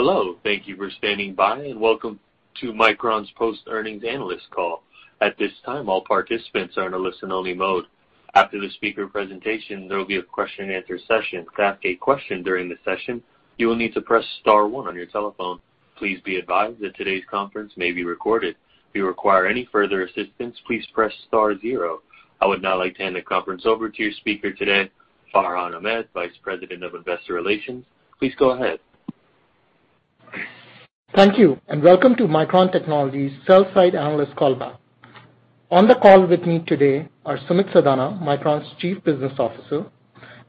Hello. Thank you for standing by, and welcome to Micron's post-earnings analyst call. At this time, all participants are in a listen-only mode. After the speaker presentation, there will be a question-and-answer session. To ask a question during the session, you will need to press star one on your telephone. Please be advised that today's conference may be recorded. If you require any further assistance, please press star zero. I would now like to hand the conference over to your speaker today, Farhan Ahmad, Vice President of Investor Relations. Please go ahead. Thank you, and welcome to Micron Technology's sell-side analyst call back. On the call with me today are Sumit Sadana, Micron's Chief Business Officer;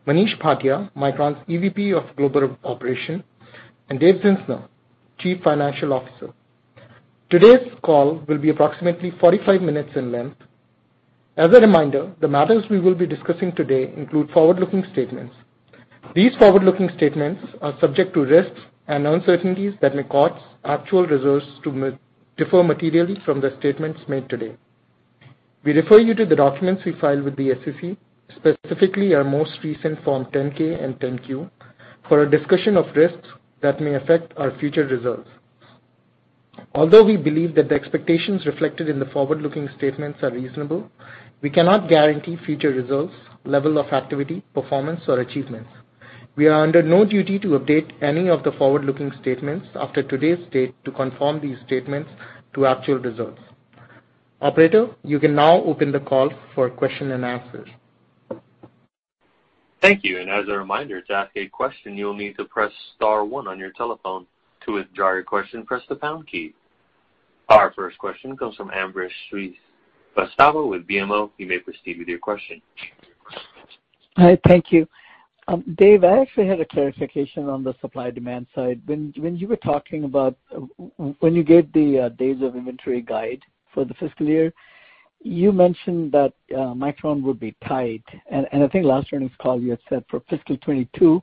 Manish Bhatia, Micron's EVP of Global Operations; and Dave Zinsner, Chief Financial Officer. Today's call will be approximately 45 minutes in length. As a reminder, the matters we will be discussing today include forward-looking statements. These forward-looking statements are subject to risks and uncertainties that may cause actual results to differ materially from the statements made today. We refer you to the documents we filed with the SEC, specifically our most recent Form 10-K and 10-Q, for a discussion of risks that may affect our future results. Although we believe that the expectations reflected in the forward-looking statements are reasonable, we cannot guarantee future results, level of activity, performance, or achievements. We are under no duty to update any of the forward-looking statements after today's date to confirm these statements to actual results. Operator, you can now open the call for questions and answers. Thank you. As a reminder, to ask a question, you will need to press star one on your telephone. To withdraw your question, press the pound key. Our first question comes from Ambrish Srivastava with BMO. You may proceed with your question. Hi, thank you. Dave, I actually had a clarification on the supply-demand side. When you gave the days of inventory guide for the fiscal year, you mentioned that Micron would be tight. I think last earnings call you had said for fiscal 2022,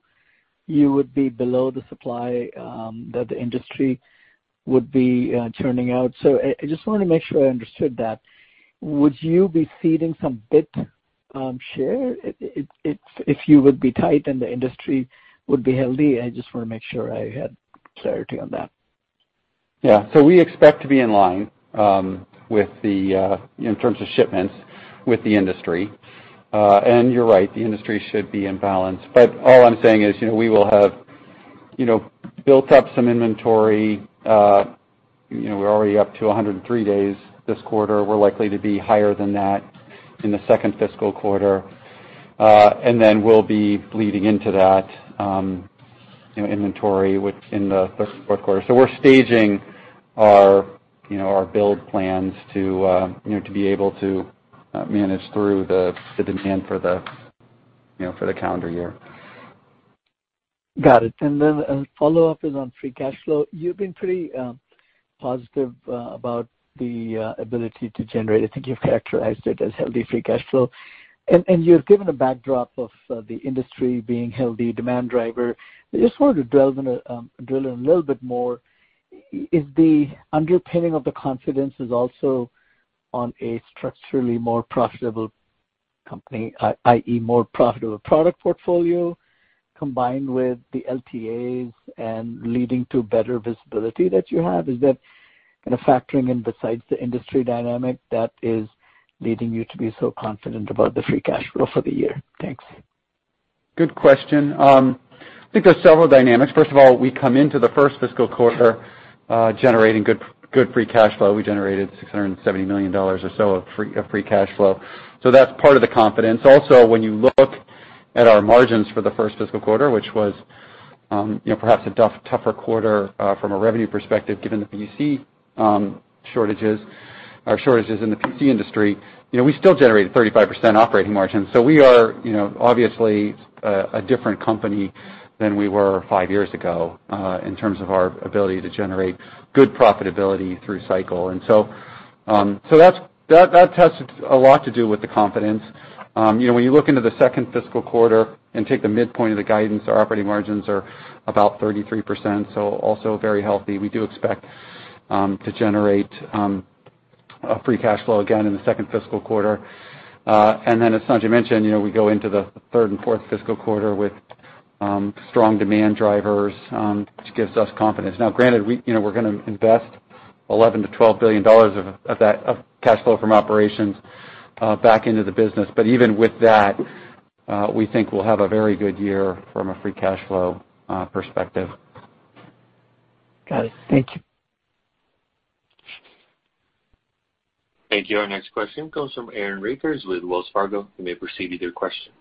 you would be below the supply that the industry would be churning out. I just wanna make sure I understood that. Would you be ceding some bit share if you would be tight and the industry would be healthy? I just wanna make sure I had clarity on that. Yeah. We expect to be in line with the industry in terms of shipments. You're right, the industry should be in balance. All I'm saying is, you know, we will have, you know, built up some inventory. You know, we're already up to 103 days this quarter. We're likely to be higher than that in the second fiscal quarter. Then we'll be bleeding into that, you know, inventory in the fourth quarter. We're staging our, you know, our build plans to, you know, to be able to manage through the demand for the, you know, for the calendar year. Got it. A follow-up is on free cash flow. You've been pretty positive about the ability to generate. I think you've characterized it as healthy free cash flow. You've given a backdrop of the industry being healthy, demand driver. I just wanted to delve in and drill in a little bit more. Is the underpinning of the confidence is also on a structurally more profitable company, i.e., more profitable product portfolio combined with the LTAs and leading to better visibility that you have? Is that kind of factoring in besides the industry dynamic that is leading you to be so confident about the free cash flow for the year? Thanks. Good question. I think there's several dynamics. First of all, we come into the first fiscal quarter, generating good free cash flow. We generated $670 million or so of free cash flow. That's part of the confidence. Also, when you look at our margins for the first fiscal quarter, which was, you know, perhaps a tougher quarter, from a revenue perspective, given the PC shortages in the PC industry, you know, we still generated 35% operating margins. So we are, you know, obviously a different company than we were five years ago, in terms of our ability to generate good profitability through cycle. That has a lot to do with the confidence. You know, when you look into the second fiscal quarter and take the midpoint of the guidance, our operating margins are about 33%, so also very healthy. We do expect to generate a free cash flow again in the second fiscal quarter. And then as Sanjay mentioned, you know, we go into the third and fourth fiscal quarter with strong demand drivers, which gives us confidence. Now, granted, we, you know, we're gonna invest $11 billion-$12 billion of that cash flow from operations back into the business, but even with that, we think we'll have a very good year from a free cash flow perspective. Got it. Thank you. Thank you. Our next question comes from Aaron Rakers with Wells Fargo. You may proceed with your question.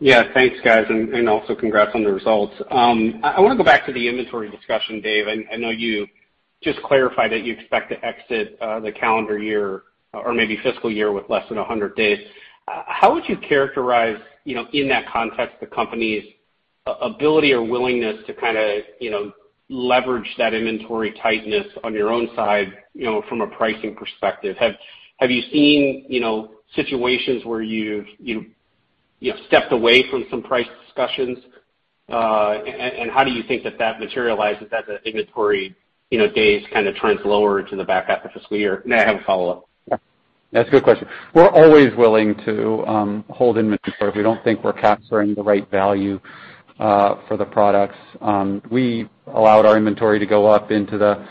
Yeah. Thanks, guys, and also congrats on the results. I wanna go back to the inventory discussion, Dave. I know you just clarified that you expect to exit the calendar year or maybe fiscal year with less than 100 days. How would you characterize, you know, in that context, the company's ability or willingness to kinda, you know, leverage that inventory tightness on your own side, you know, from a pricing perspective? Have you seen, you know, situations where you've, you know, stepped away from some price discussions? How do you think that materializes as the inventory, you know, days kinda trends lower to the back half of fiscal year? I have a follow-up. That's a good question. We're always willing to hold inventory if we don't think we're capturing the right value for the products. We allowed our inventory to go up into the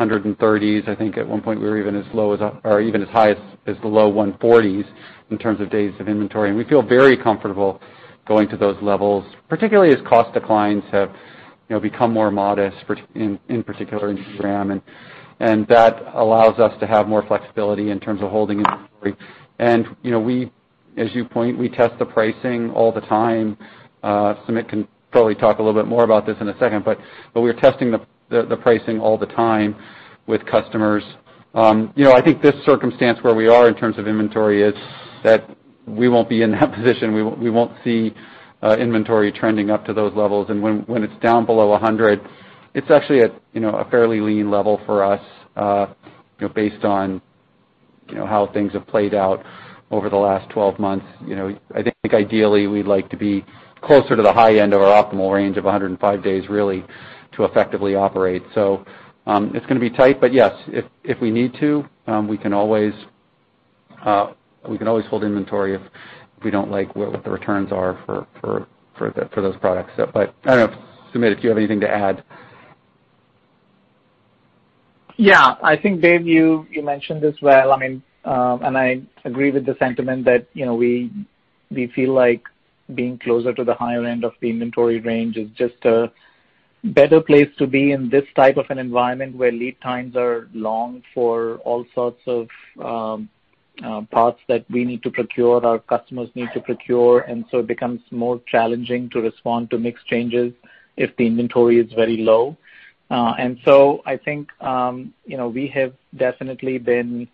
130s. I think at one point, we were even as high as the low 140s in terms of days of inventory. We feel very comfortable going to those levels, particularly as cost declines have, you know, become more modest, particularly in DRAM. That allows us to have more flexibility in terms of holding inventory. You know, as you point out, we test the pricing all the time. Sumit can probably talk a little bit more about this in a second, but we're testing the pricing all the time with customers. You know, I think this circumstance where we are in terms of inventory is that we won't be in that position. We won't see inventory trending up to those levels. When it's down below 100, it's actually at a fairly lean level for us, you know, based on how things have played out over the last 12 months. You know, I think ideally, we'd like to be closer to the high end of our optimal range of 105 days, really, to effectively operate. It's gonna be tight, but yes, if we need to, we can always hold inventory if we don't like what the returns are for those products. But I don't know, Sumit, if you have anything to add. Yeah. I think, Dave, you mentioned this well. I mean, I agree with the sentiment that, you know, we feel like being closer to the higher end of the inventory range is just a better place to be in this type of an environment where lead times are long for all sorts of parts that we need to procure, our customers need to procure. It becomes more challenging to respond to mix changes if the inventory is very low. I think, you know, we have definitely been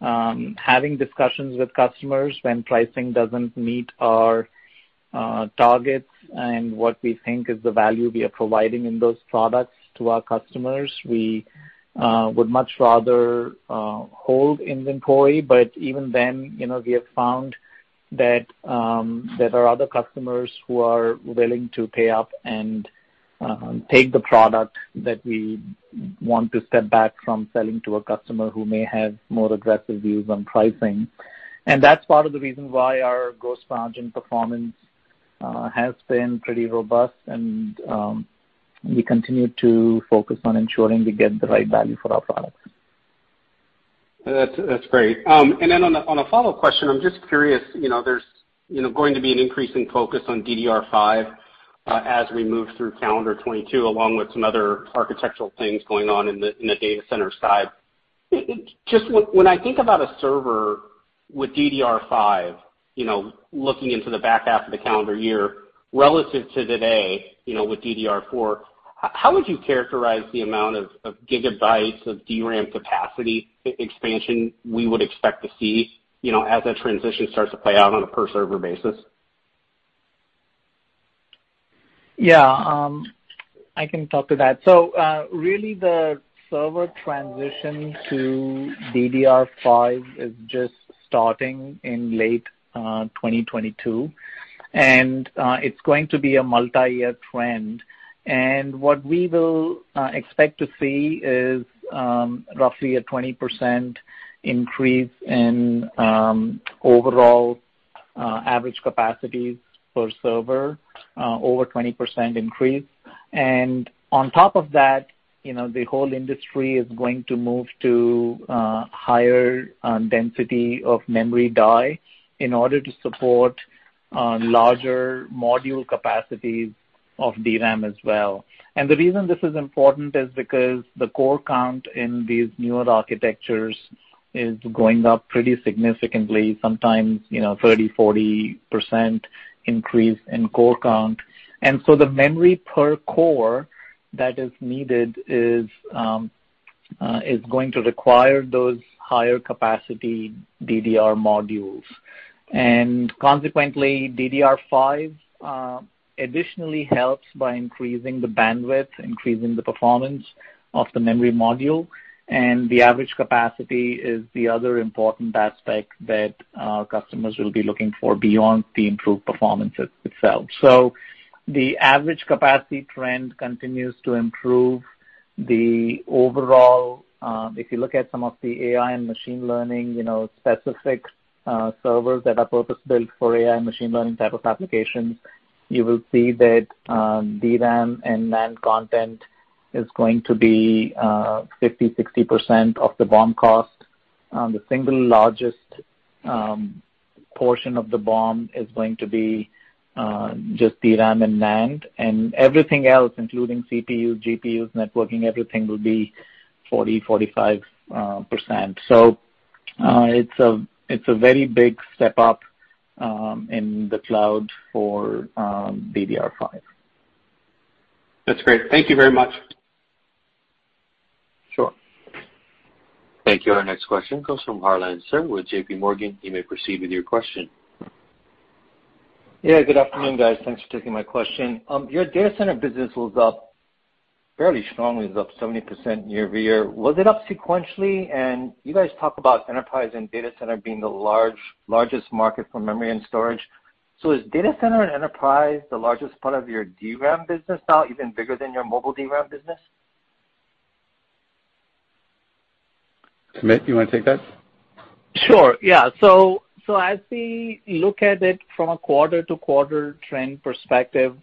having discussions with customers when pricing doesn't meet our targets and what we think is the value we are providing in those products to our customers. We would much rather hold inventory, but even then, you know, we have found that there are other customers who are willing to pay up and take the product that we want to step back from selling to a customer who may have more aggressive views on pricing. That's part of the reason why our gross margin performance has been pretty robust and we continue to focus on ensuring we get the right value for our products. That's great. On a follow-up question, I'm just curious, you know, there's going to be an increasing focus on DDR5 as we move through calendar 2022, along with some other architectural things going on in the data center side. Just when I think about a server with DDR5, you know, looking into the back half of the calendar year relative to today, you know, with DDR4, how would you characterize the amount of gigabytes of DRAM capacity expansion we would expect to see, you know, as that transition starts to play out on a per server basis? Yeah, I can talk to that. Really the server transition to DDR5 is just starting in late 2022, and it's going to be a multi-year trend. What we will expect to see is roughly a 20% increase in overall average capacities per server. On top of that, you know, the whole industry is going to move to higher density of memory die in order to support larger module capacities of DRAM as well. The reason this is important is because the core count in these newer architectures is going up pretty significantly, sometimes, you know, 30%-40% increase in core count. The memory per core that is needed is going to require those higher capacity DDR modules. Consequently, DDR5 additionally helps by increasing the bandwidth, increasing the performance of the memory module, and the average capacity is the other important aspect that customers will be looking for beyond the improved performance itself. The average capacity trend continues to improve the overall. If you look at some of the AI and machine learning, you know, specific servers that are purpose-built for AI and machine learning type of applications, you will see that DRAM and NAND content is going to be 50%, 60% of the BOM cost. The single largest portion of the BOM is going to be just DRAM and NAND. Everything else, including CPUs, GPUs, networking, everything, will be 40%, 45%. It's a very big step up in the cloud for DDR5. That's great. Thank you very much. Sure. Thank you. Our next question comes from Harlan Sur with JPMorgan. You may proceed with your question. Yeah, good afternoon, guys. Thanks for taking my question. Your data center business was up fairly strongly. It was up 70% year-over-year. Was it up sequentially? You guys talk about enterprise and data center being the largest market for memory and storage. Is data center and enterprise the largest part of your DRAM business now, even bigger than your mobile DRAM business? Sumit, you want to take that? Sure, yeah. As we look at it from a quarter-to-quarter trend perspective,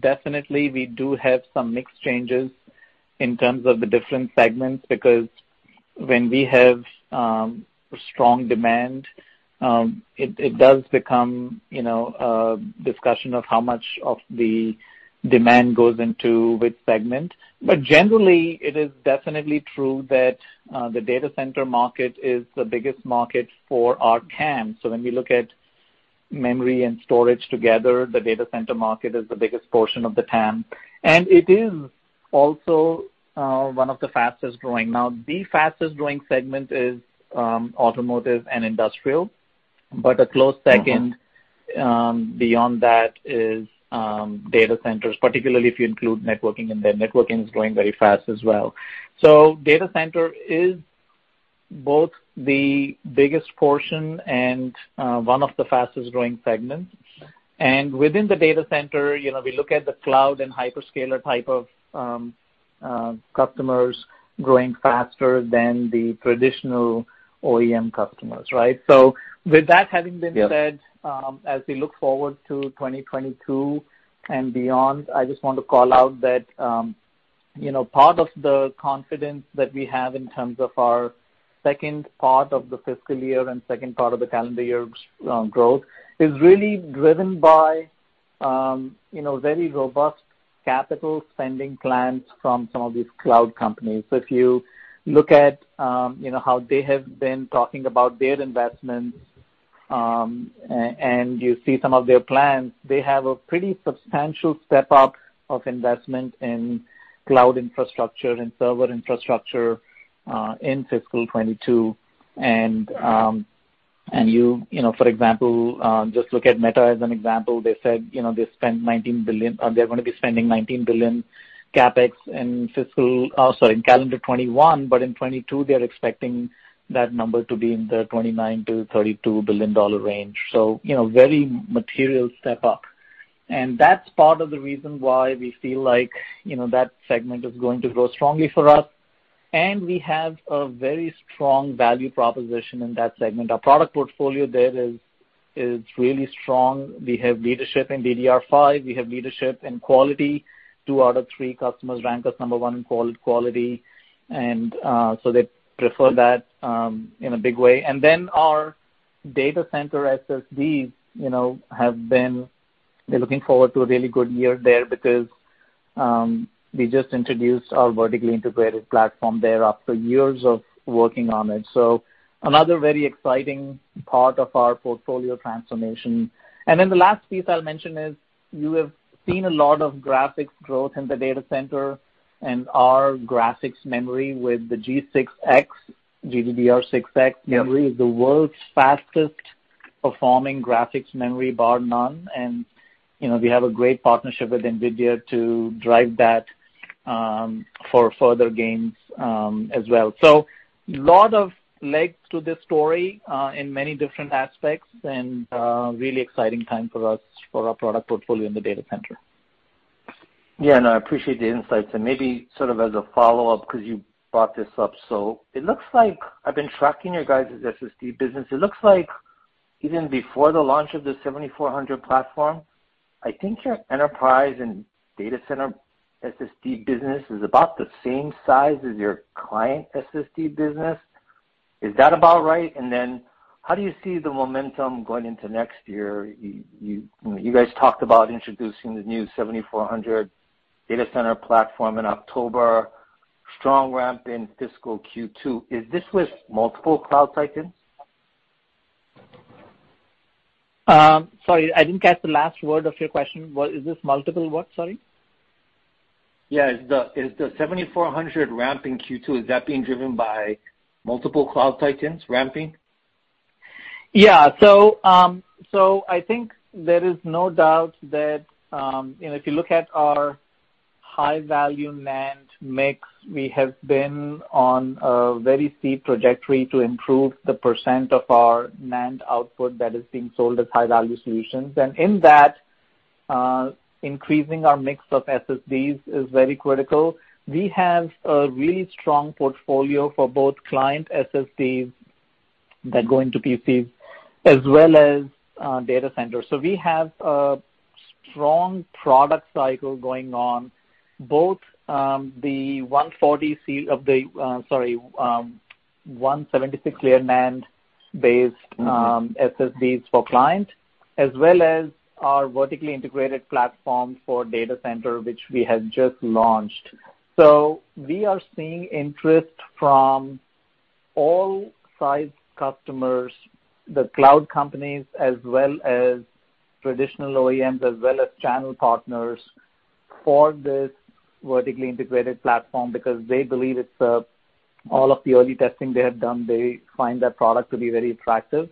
definitely we do have some mixed changes in terms of the different segments because when we have strong demand, it does become, you know, a discussion of how much of the demand goes into which segment. Generally, it is definitely true that the data center market is the biggest market for our TAM. When we look at memory and storage together, the data center market is the biggest portion of the TAM, and it is also one of the fastest-growing. Now, the fastest-growing segment is automotive and industrial, but a close second beyond that is data centers, particularly if you include networking in there. Networking is growing very fast as well. Data center is both the biggest portion and one of the fastest-growing segments. Within the data center, you know, we look at the cloud and hyperscaler type of customers growing faster than the traditional OEM customers, right? With that having been said, as we look forward to 2022 and beyond, I just want to call out that, you know, part of the confidence that we have in terms of our second part of the fiscal year and second part of the calendar year's growth is really driven by, you know, very robust capital spending plans from some of these cloud companies. If you look at, you know, how they have been talking about their investments, and you see some of their plans, they have a pretty substantial step-up of investment in cloud infrastructure and server infrastructure, in FY 2022. You know, for example, just look at Meta as an example. They said, you know, they're gonna be spending $19 billion CapEx in calendar 2021, but in 2022 they are expecting that number to be in the $29 billion-$32 billion range. You know, very material step up. That's part of the reason why we feel like, you know, that segment is going to grow strongly for us, and we have a very strong value proposition in that segment. Our product portfolio there is really strong. We have leadership in DDR5. We have leadership in quality. Two out of three customers rank us number one in quality, and so they prefer that in a big way. Our data center SSDs, you know, we're looking forward to a really good year there because we just introduced our vertically integrated platform there after years of working on it. Another very exciting part of our portfolio transformation. The last piece I'll mention is you have seen a lot of graphics growth in the data center and our graphics memory with the G6X, GDDR6X memory is the world's fastest performing graphics memory bar none. You know, we have a great partnership with NVIDIA to drive that for further gains as well. A lot of legs to this story in many different aspects and really exciting time for us for our product portfolio in the data center. Yeah. No, I appreciate the insights. Maybe sort of as a follow-up, 'cause you brought this up. It looks like I've been tracking your guys' SSD business. It looks like even before the launch of the 7400 platform, I think your enterprise and data center SSD business is about the same size as your client SSD business. Is that about right? Then how do you see the momentum going into next year? You guys talked about introducing the new 7400 data center platform in October, strong ramp in fiscal Q2. Is this with multiple cloud titans? Sorry, I didn't catch the last word of your question. What? Is this multiple what? Sorry. Yeah. Is the 7400 ramp in Q2, is that being driven by multiple cloud titans ramping? Yeah. I think there is no doubt that, you know, if you look at our high-value NAND mix, we have been on a very steep trajectory to improve the percent of our NAND output that is being sold as high-value solutions. In that, increasing our mix of SSDs is very critical. We have a really strong portfolio for both client SSDs that go into PCs as well as data centers. We have a strong product cycle going on, both 176-layer NAND-based SSDs for client, as well as our vertically integrated platform for data center, which we have just launched. We are seeing interest from all size customers, the cloud companies, as well as traditional OEMs, as well as channel partners for this vertically integrated platform because they believe it's a. All of the early testing they have done, they find that product to be very attractive.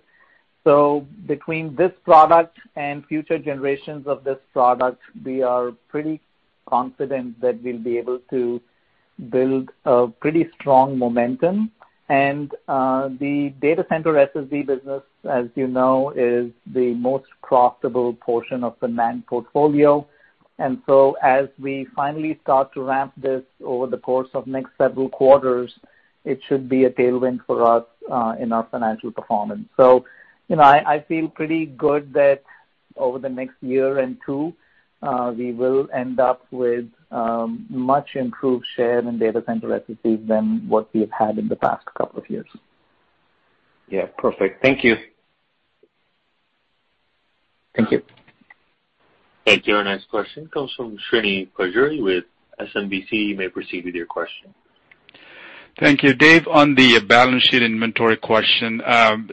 Between this product and future generations of this product, we are pretty confident that we'll be able to build a pretty strong momentum. The data center SSD business, as you know, is the most profitable portion of the NAND portfolio. As we finally start to ramp this over the course of next several quarters, it should be a tailwind for us in our financial performance. You know, I feel pretty good that over the next year and two, we will end up with much improved share in data center SSD than what we've had in the past couple of years. Yeah, perfect. Thank you. Thank you. Thank you. Our next question comes from Srini Pajjuri with SMBC. You may proceed with your question. Thank you. Dave, on the balance sheet inventory question,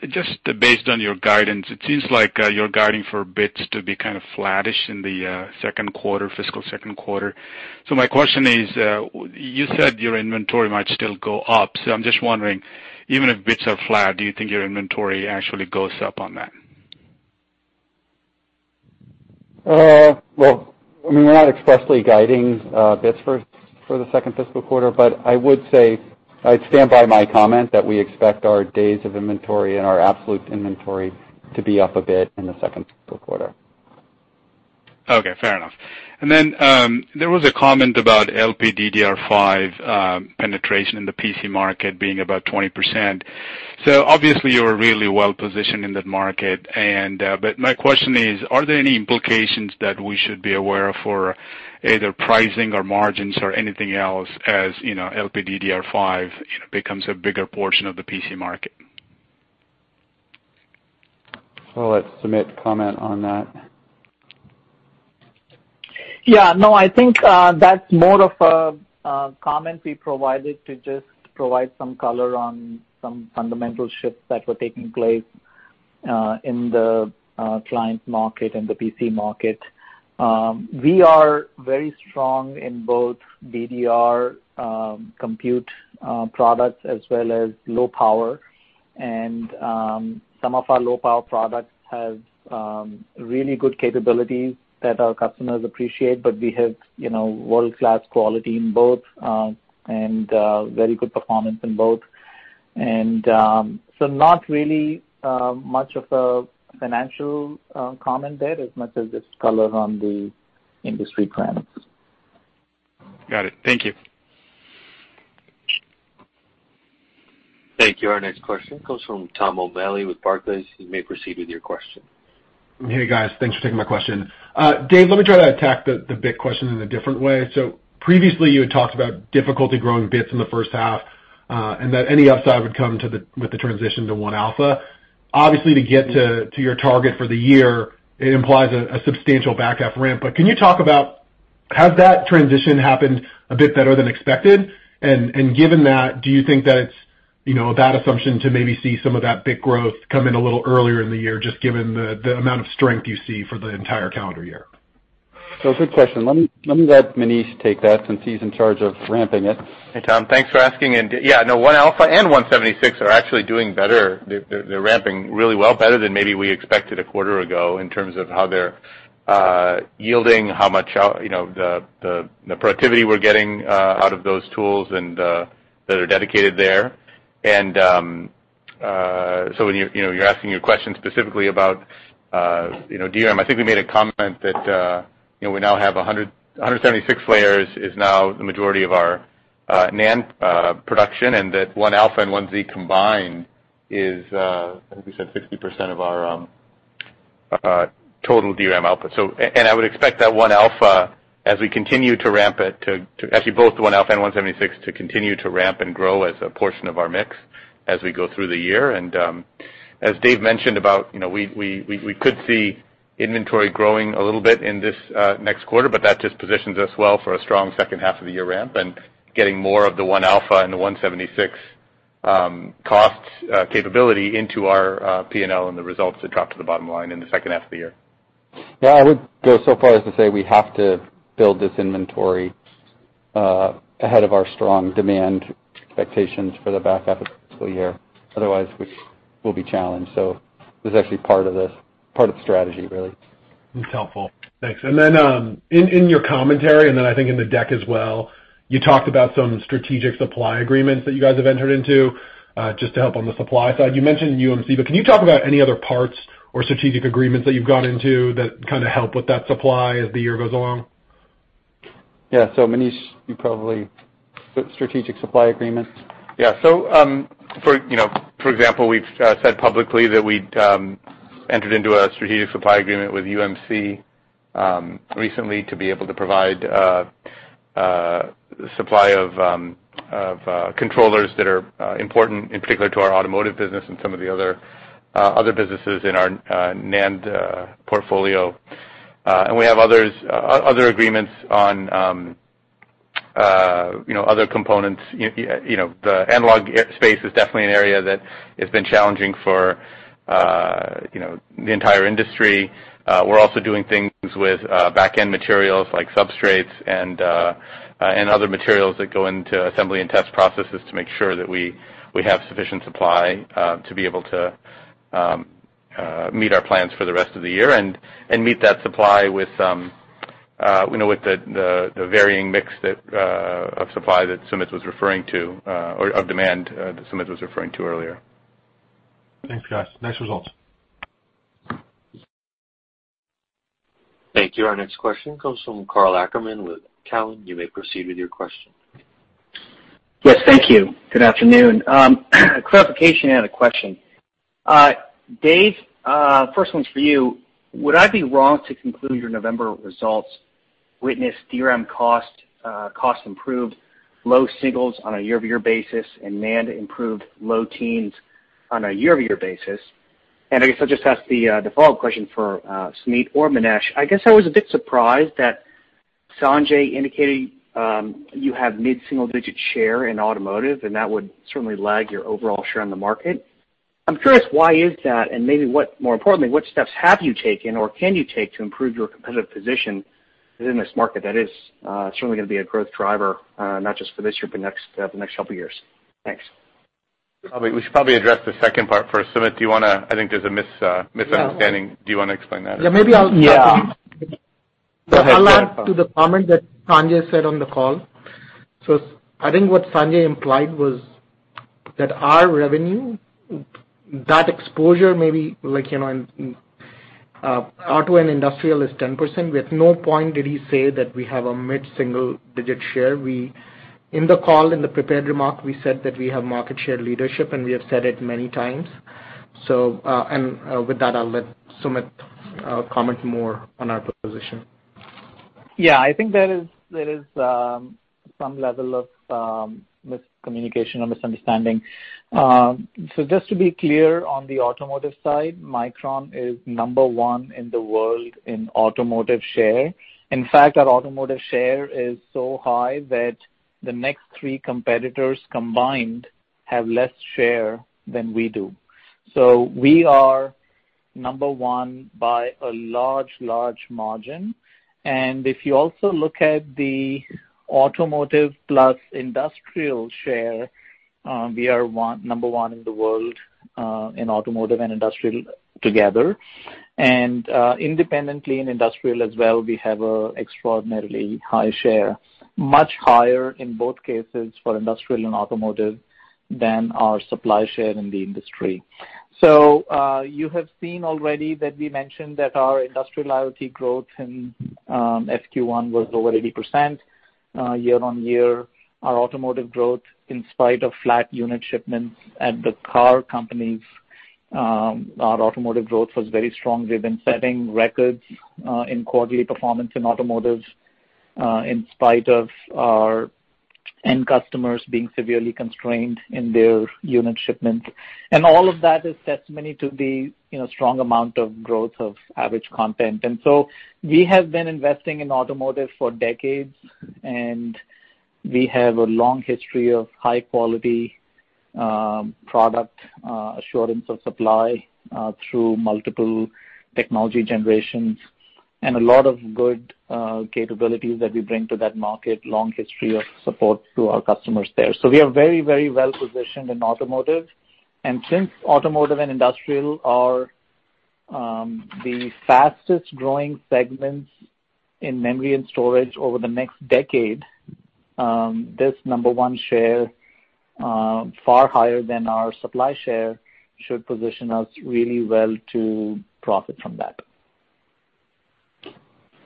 just based on your guidance, it seems like you're guiding for bits to be kind of flattish in the second quarter, fiscal second quarter. My question is, you said your inventory might still go up, so I'm just wondering, even if bits are flat, do you think your inventory actually goes up on that? Well, I mean, we're not expressly guiding bits for the second fiscal quarter, but I would say I'd stand by my comment that we expect our days of inventory and our absolute inventory to be up a bit in the second fiscal quarter. Okay. Fair enough. Then, there was a comment about LPDDR5 penetration in the PC market being about 20%. Obviously, you're really well-positioned in that market. But my question is, are there any implications that we should be aware of for either pricing or margins or anything else as, you know, LPDDR5, you know, becomes a bigger portion of the PC market? I'll let Sumit comment on that. Yeah. No, I think that's more of a comment we provided to just provide some color on some fundamental shifts that were taking place in the client market and the PC market. We are very strong in both DDR compute products as well as low power. Some of our low power products have really good capabilities that our customers appreciate, but we have, you know, world-class quality in both and very good performance in both. Not really much of a financial comment there as much as just color on the industry trends. Got it. Thank you. Thank you. Our next question comes from Tom O'Malley with Barclays. You may proceed with your question. Hey, guys. Thanks for taking my question. Dave, let me try to attack the bit question in a different way. Previously, you had talked about difficulty growing bits in the first half, and that any upside would come with the transition to 1α. Obviously, to get to your target for the year, it implies a substantial back half ramp. Can you talk about has that transition happened a bit better than expected? Given that, do you think that it's, you know, a bad assumption to maybe see some of that bit growth come in a little earlier in the year, just given the amount of strength you see for the entire calendar year? Good question. Let me let Manish take that since he's in charge of ramping it. Hey, Tom, thanks for asking. Yeah, no, 1α and 176 are actually doing better. They're ramping really well, better than maybe we expected a quarter ago in terms of how they're yielding, how much output, you know, the productivity we're getting out of those tools and that are dedicated there. When you're, you know, asking your question specifically about, you know, DRAM, I think we made a comment that, you know, we now have 100%, 176 layers is now the majority of our NAND production, and that 1α and 1Z combined is, I think we said 60% of our total DRAM output. And I would expect that 1α, as we continue to ramp it to... Actually, both 1α and 176 to continue to ramp and grow as a portion of our mix as we go through the year. As Dave mentioned about, you know, we could see inventory growing a little bit in this next quarter, but that just positions us well for a strong second half of the year ramp and getting more of the 1α and the 176 costs capability into our P&L and the results that drop to the bottom line in the second half of the year. Yeah. I would go so far as to say we have to build this inventory ahead of our strong demand expectations for the back half of the fiscal year. Otherwise, we will be challenged. This is actually part of the strategy, really. That's helpful. Thanks. In your commentary, and then I think in the deck as well, you talked about some strategic supply agreements that you guys have entered into, just to help on the supply side. You mentioned UMC, but can you talk about any other parts or strategic agreements that you've gone into that kind of help with that supply as the year goes along? Manish, you probably strategic supply agreements. Yeah. For you know, for example, we've said publicly that we entered into a strategic supply agreement with UMC recently to be able to provide supply of controllers that are important in particular to our automotive business and some of the other businesses in our NAND portfolio. We have other agreements on you know other components. You know, the analog space is definitely an area that has been challenging for you know the entire industry. We're also doing things with back-end materials like substrates and other materials that go into assembly and test processes to make sure that we have sufficient supply to be able to meet our plans for the rest of the year and meet that supply with We know with the varying mix of supply or demand that Sumit was referring to earlier. Thanks, guys. Nice results. Thank you. Our next question comes from Karl Ackerman with Cowen. You may proceed with your question. Yes, thank you. Good afternoon. Clarification and a question. Dave, first one's for you. Would I be wrong to conclude your November results witnessed DRAM cost improved low singles on a year-over-year basis, and NAND improved low teens on a year-over-year basis? I guess I'll just ask the follow-up question for Sumit or Manish. I guess I was a bit surprised that Sanjay indicated you have mid-single digit share in automotive, and that would certainly lag your overall share in the market. I'm curious, why is that? Maybe what, more importantly, what steps have you taken or can you take to improve your competitive position within this market that is certainly gonna be a growth driver, not just for this year, but next, the next couple years? Thanks. Probably, we should address the second part first. Sumit, I think there's a misunderstanding. Do you wanna explain that? Yeah, maybe I'll- Yeah. To add on to the comment that Sanjay said on the call. I think what Sanjay implied was that our revenue, that exposure maybe like, you know, in auto and industrial is 10%. At no point did he say that we have a mid-single digit share. In the call, in the prepared remark, we said that we have market share leadership, and we have said it many times. With that, I'll let Sumit comment more on our proposition. Yeah. I think there is some level of miscommunication or misunderstanding. Just to be clear, on the automotive side, Micron is number one in the world in automotive share. In fact, our automotive share is so high that the next three competitors combined have less share than we do. We are number one by a large margin. If you also look at the automotive plus industrial share, we are number one in the world in automotive and industrial together. Independently in industrial as well, we have an extraordinarily high share, much higher in both cases for industrial and automotive than our supply share in the industry. You have seen already that we mentioned that our industrial IoT growth in Q1 was over 80%, year-over-year. Our automotive growth, in spite of flat unit shipments at the car companies, our automotive growth was very strong. We've been setting records, in quarterly performance in automotive, in spite of our end customers being severely constrained in their unit shipments. All of that is testimony to the, you know, strong amount of growth of average content. We have been investing in automotive for decades, and we have a long history of high quality, product, assurance of supply, through multiple technology generations and a lot of good, capabilities that we bring to that market, long history of support to our customers there. We are very, very well positioned in automotive. Since automotive and industrial are the fastest growing segments in memory and storage over the next decade, this number one share far higher than our supply share should position us really well to profit from that.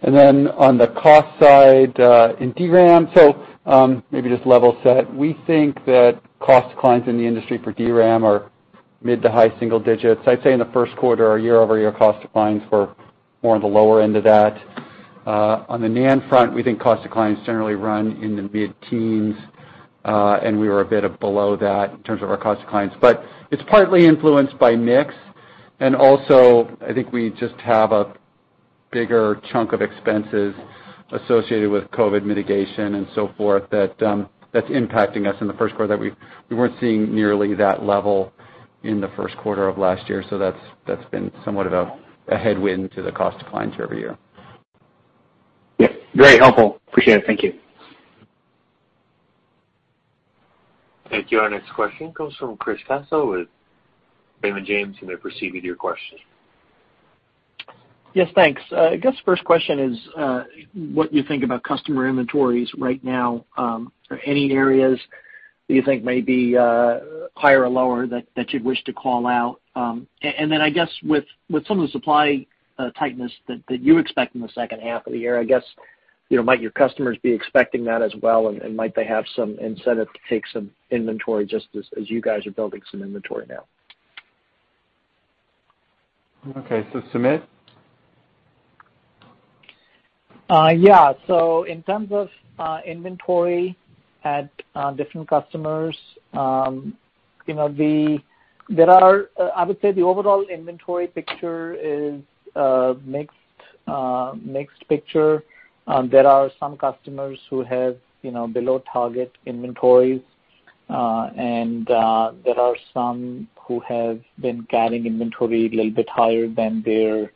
On the cost side, in DRAM, maybe just level set. We think that cost declines in the industry for DRAM are mid to high single digits. I'd say in the first quarter, our year-over-year cost declines were more on the lower end of that. On the NAND front, we think cost declines generally run in the mid-teens, and we were a bit below that in terms of our cost declines. But it's partly influenced by mix, and also I think we just have a bigger chunk of expenses associated with COVID mitigation and so forth that's impacting us in the first quarter, that we weren't seeing nearly that level in the first quarter of last year. That's been somewhat of a headwind to the cost declines year over year. Yeah. Very helpful. Appreciate it. Thank you. Thank you. Our next question comes from Chris Caso with Raymond James, and you may proceed with your question. Yes, thanks. I guess first question is what you think about customer inventories right now. Are there any areas that you think may be higher or lower that you'd wish to call out? I guess with some of the supply tightness that you expect in the second half of the year, I guess, you know, might your customers be expecting that as well? Might they have some incentive to take some inventory just as you guys are building some inventory now? Okay. Sumit. Yeah. In terms of inventory at different customers, you know, I would say the overall inventory picture is a mixed picture. There are some customers who have, you know, below target inventories, and there are some who have been carrying inventory a little bit higher than their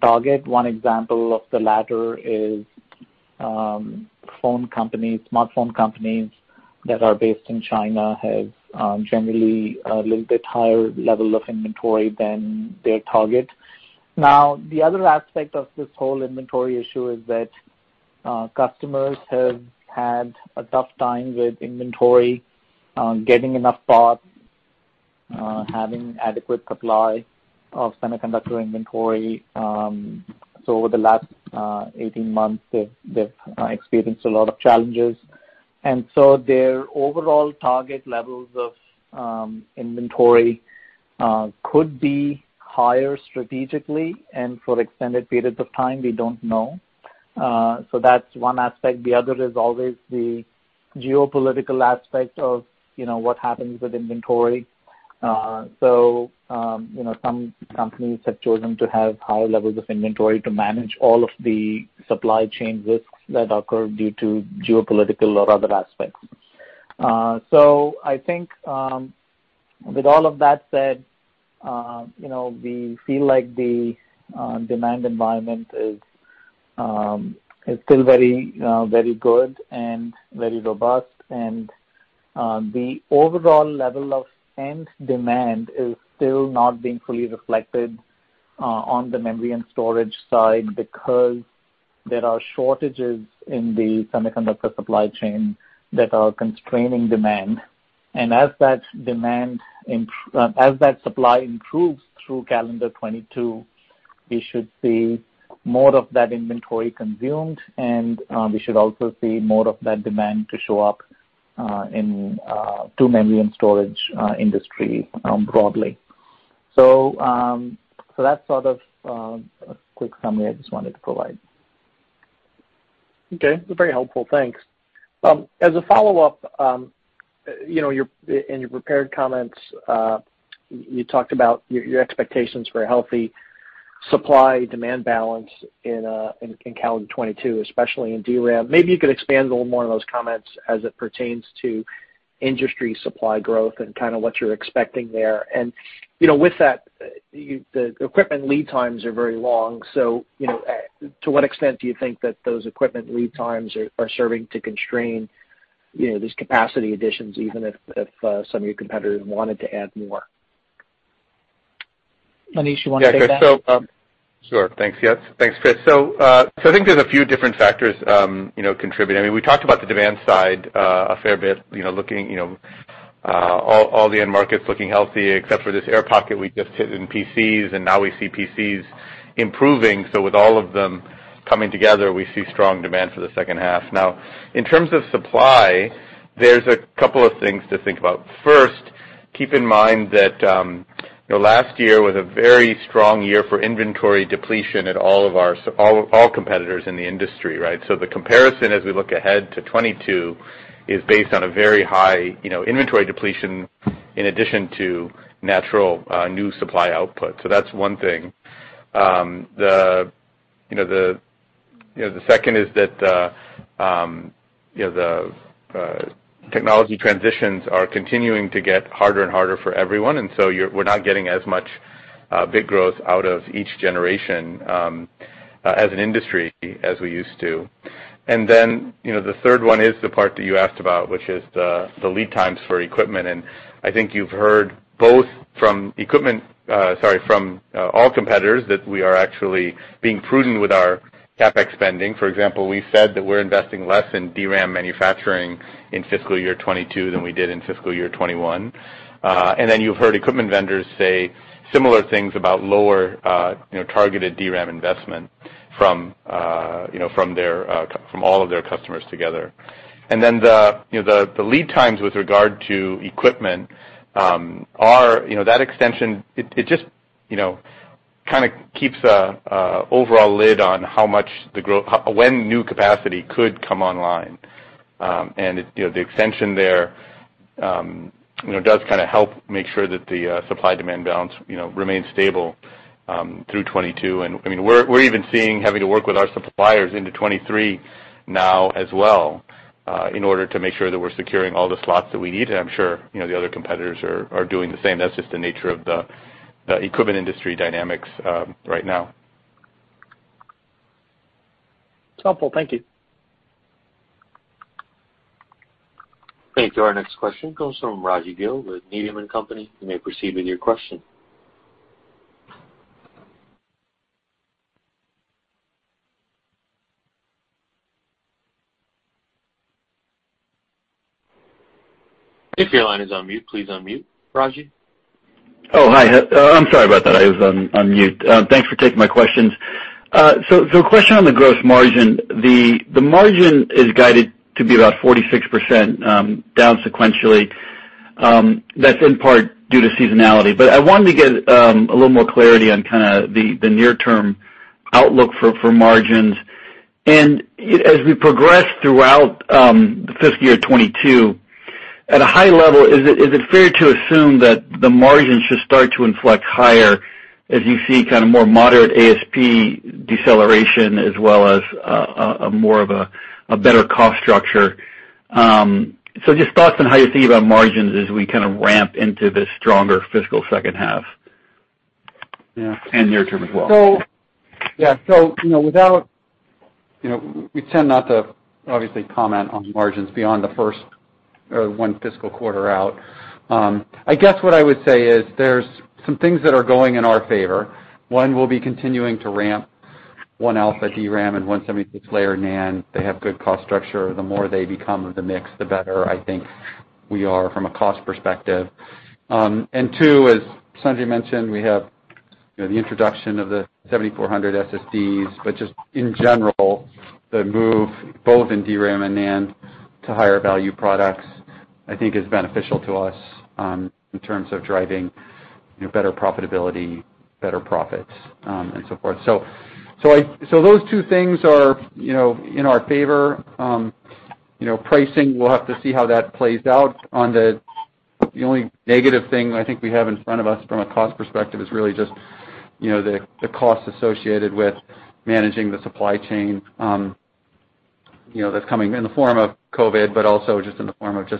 target. One example of the latter is phone companies, smartphone companies that are based in China have generally a little bit higher level of inventory than their target. Now, the other aspect of this whole inventory issue is that customers have had a tough time with inventory, getting enough parts, having adequate supply of semiconductor inventory. Over the last 18 months, they've experienced a lot of challenges. Their overall target levels of inventory could be higher strategically and for extended periods of time, we don't know. That's one aspect. The other is always the geopolitical aspect of you know what happens with inventory. You know, some companies have chosen to have higher levels of inventory to manage all of the supply chain risks that occur due to geopolitical or other aspects. I think with all of that said you know we feel like the demand environment is still very good and very robust. The overall level of end demand is still not being fully reflected on the memory and storage side because there are shortages in the semiconductor supply chain that are constraining demand. As that supply improves through calendar 2022, we should see more of that inventory consumed, and we should also see more of that demand show up into memory and storage industry broadly. So that's sort of a quick summary I just wanted to provide. Okay. Very helpful. Thanks. As a follow-up, you know, in your prepared comments, you talked about your expectations for a healthy supply-demand balance in calendar 2022, especially in DRAM. Maybe you could expand a little more on those comments as it pertains to industry supply growth and kinda what you're expecting there. You know, with that, the equipment lead times are very long. So, you know, to what extent do you think that those equipment lead times are serving to constrain these capacity additions, even if some of your competitors wanted to add more? Manish, you wanna take that? Yeah, Chris. Sure. Thanks. Yes. Thanks, Chris. I think there's a few different factors, you know, contributing. I mean, we talked about the demand side a fair bit, you know, looking at all the end markets looking healthy, except for this air pocket we just hit in PCs, and now we see PCs improving. With all of them coming together, we see strong demand for the second half. In terms of supply, there's a couple of things to think about. First, keep in mind that last year was a very strong year for inventory depletion at all competitors in the industry, right? The comparison as we look ahead to 2022 is based on a very high inventory depletion in addition to natural new supply output. That's one thing. The second is that technology transitions are continuing to get harder and harder for everyone, and we're not getting as much big growth out of each generation as an industry as we used to. The third one is the part that you asked about, which is the lead times for equipment. I think you've heard from all competitors that we are actually being prudent with our CapEx spending. For example, we said that we're investing less in DRAM manufacturing in FY 2022 than we did in FY 2021. You've heard equipment vendors say similar things about lower, you know, targeted DRAM investment from, you know, from their, from all of their customers together. The lead times with regard to equipment, you know, that extension, it just, you know, kinda keeps a overall lid on how much when new capacity could come online. You know, the extension there, you know, does kinda help make sure that the supply-demand balance, you know, remains stable through 2022. I mean, we're even seeing having to work with our suppliers into 2023 now as well, in order to make sure that we're securing all the slots that we need. I'm sure, you know, the other competitors are doing the same. That's just the nature of the equipment industry dynamics, right now. It's helpful. Thank you. Thank you. Our next question comes from Rajvindra Gill with Needham & Company. You may proceed with your question. If your line is on mute, please unmute, Rajvindra. Oh, hi. I'm sorry about that. I was on mute. Thanks for taking my questions. Question on the gross margin. The margin is guided to be about 46%, down sequentially. That's in part due to seasonality. I wanted to get a little more clarity on kinda the near-term outlook for margins. As we progress throughout the FY 2022, at a high level, is it fair to assume that the margins should start to inflect higher as you see kinda more moderate ASP deceleration as well as a more of a better cost structure? Just thoughts on how you think about margins as we kinda ramp into this stronger fiscal second half. Yeah. Near term as well. We tend not to obviously comment on margins beyond the first or one fiscal quarter out. I guess what I would say is there's some things that are going in our favor. One, we'll be continuing to ramp 1α DRAM and 176-layer NAND. They have good cost structure. The more they become of the mix, the better, I think, we are from a cost perspective. And two, as Sanjay mentioned, we have, you know, the introduction of the 7400 SSDs. But just in general, the move both in DRAM and NAND to higher value products, I think is beneficial to us in terms of driving, you know, better profitability, better profits, and so forth. Those two things are, you know, in our favor. You know, pricing, we'll have to see how that plays out. On the only negative thing I think we have in front of us from a cost perspective is really just, you know, the cost associated with managing the supply chain, you know, that's coming in the form of COVID, but also just in the form of, you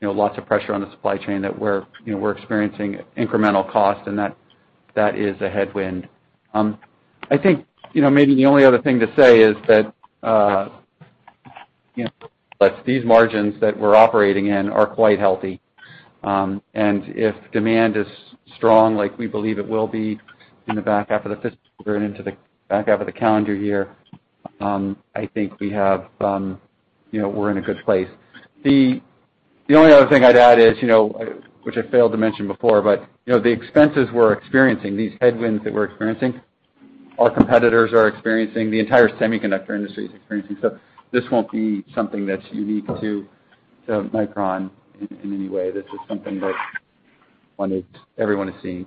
know, lots of pressure on the supply chain that we're experiencing incremental cost, and that is a headwind. I think, you know, maybe the only other thing to say is that, you know, these margins that we're operating in are quite healthy. If demand is strong like we believe it will be in the back half of the fiscal year and into the back half of the calendar year, I think we have, you know, we're in a good place. The only other thing I'd add is, you know, which I failed to mention before, but, you know, the expenses we're experiencing, these headwinds that we're experiencing, our competitors are experiencing, the entire semiconductor industry is experiencing. This won't be something that's unique to Micron in any way. This is something that everyone is seeing.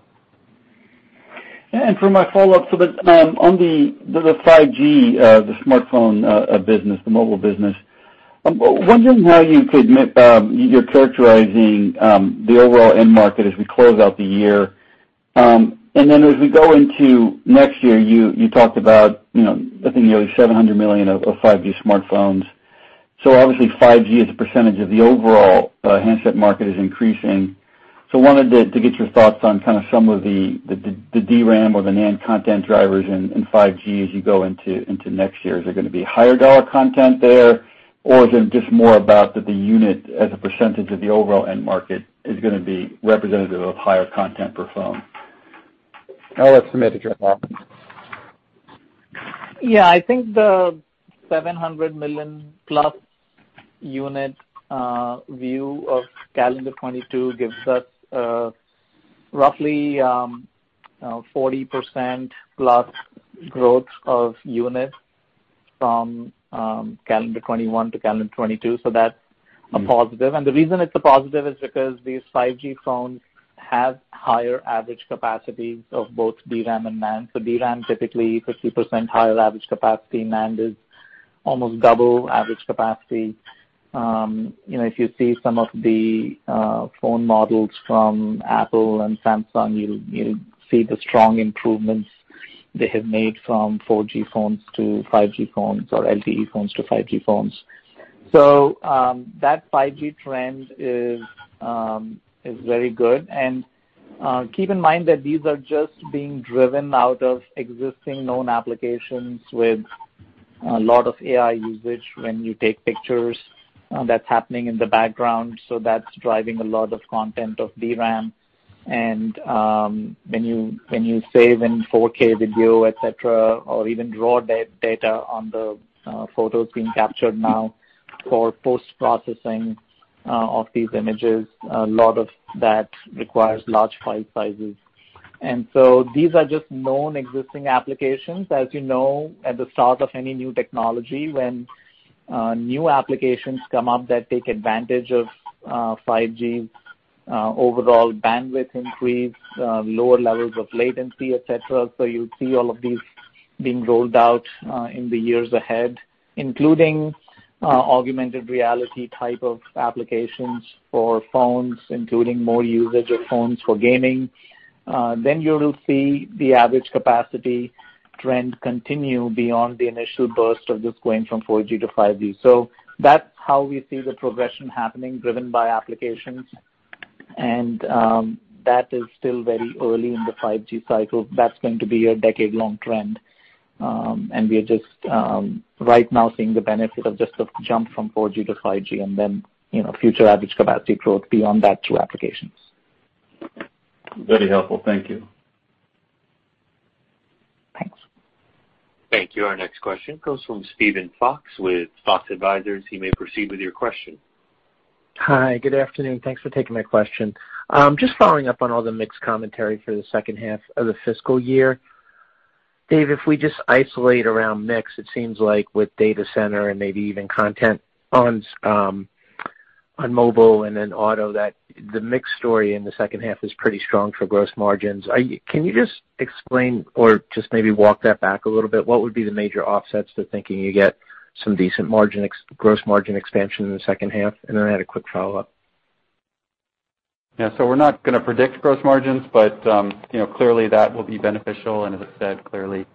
For my follow-up, on the 5G smartphone business, the mobile business, I'm wondering how you're characterizing the overall end market as we close out the year. As we go into next year, you talked about, you know, I think nearly 700 million 5G smartphones. Obviously, 5G as a percentage of the overall handset market is increasing. Wanted to get your thoughts on kind of some of the DRAM or the NAND content drivers in 5G as you go into next year. Is there gonna be higher dollar content there? Or is it just more about that the unit as a percentage of the overall end market is gonna be representative of higher content per phone? I'll let Sumit address that one. Yeah. I think the 700+ million unit view of calendar 2022 gives us roughly 40%+ growth of units from calendar 2021 to calendar 2022. That's a positive. The reason it's a positive is because these 5G phones have higher average capacities of both DRAM and NAND. DRAM, typically 50% higher average capacity. NAND is almost double average capacity. You know, if you see some of the phone models from Apple and Samsung, you'll see the strong improvements they have made from 4G phones to 5G phones or LTE phones to 5G phones. That 5G trend is very good. Keep in mind that these are just being driven out of existing known applications with a lot of AI usage when you take pictures, that's happening in the background. That's driving a lot of content of DRAM. When you save in 4K video, et cetera, or even raw data on the photos being captured now for post-processing of these images, a lot of that requires large file sizes. These are just known existing applications. As you know, at the start of any new technology, when new applications come up that take advantage of 5G, overall bandwidth increase, lower levels of latency, et cetera. You'll see all of these being rolled out in the years ahead, including augmented reality type of applications for phones, including more usage of phones for gaming. You will see the average capacity trend continue beyond the initial burst of just going from 4G to 5G. That's how we see the progression happening, driven by applications. That is still very early in the 5G cycle. That's going to be a decade-long trend. We are just right now seeing the benefit of just the jump from 4G to 5G and then, you know, future average capacity growth beyond that through applications. Very helpful. Thank you. Thanks. Thank you. Our next question comes from Steven Fox with Fox Advisors. You may proceed with your question. Hi. Good afternoon. Thanks for taking my question. Just following up on all the mixed commentary for the second half of the fiscal year. Dave, if we just isolate around mix, it seems like with data center and maybe even content on mobile and then auto, that the mix story in the second half is pretty strong for gross margins. Can you just explain or just maybe walk that back a little bit? What would be the major offsets to thinking you get some decent margin expansion in the second half? And then I had a quick follow-up. Yeah. We're not gonna predict gross margins, but you know, clearly that will be beneficial. As I said, clearly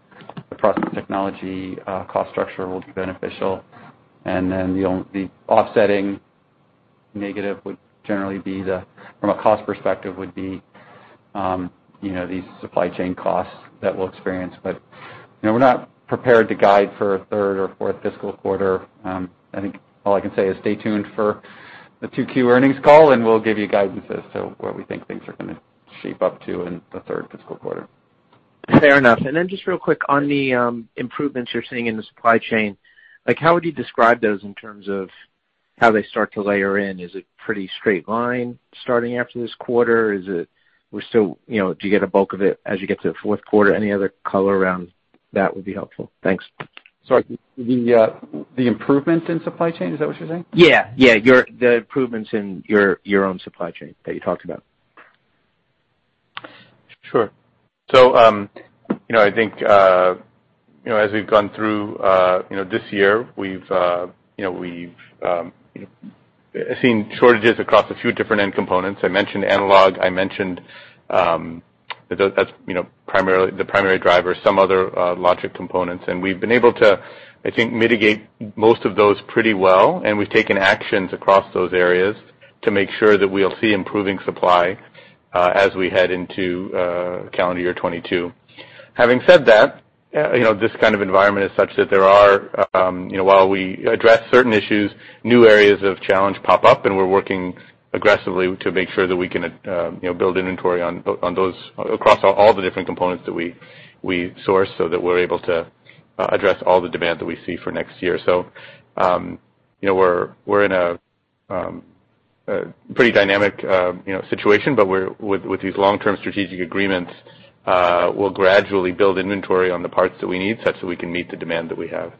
the process technology cost structure will be beneficial. The offsetting Negative would generally be, from a cost perspective, these supply chain costs that we'll experience. We're not prepared to guide for a third or fourth fiscal quarter. I think all I can say is stay tuned for the 2Q earnings call, and we'll give you guidance as to where we think things are gonna shape up to in the third fiscal quarter. Fair enough. Just real quick on the improvements you're seeing in the supply chain, like how would you describe those in terms of how they start to layer in? Is it pretty straight line starting after this quarter? Is it we're still, you know, do you get a bulk of it as you get to the fourth quarter? Any other color around that would be helpful. Thanks. Sorry. The improvements in supply chain, is that what you're saying? Yeah, the improvements in your own supply chain that you talked about. Sure. You know, I think, you know, as we've gone through, you know, this year, we've seen shortages across a few different end components. I mentioned analog. That's primarily the primary driver, some other logic components. We've been able to, I think, mitigate most of those pretty well, and we've taken actions across those areas to make sure that we'll see improving supply as we head into calendar year 2022. Having said that, you know, this kind of environment is such that there are, you know, while we address certain issues, new areas of challenge pop up, and we're working aggressively to make sure that we can, you know, build inventory on those across all the different components that we source so that we're able to address all the demand that we see for next year. You know, we're in a pretty dynamic, you know, situation, but with these long-term strategic agreements, we'll gradually build inventory on the parts that we need such that we can meet the demand that we have.